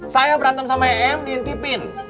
saya berantem sama m diintipin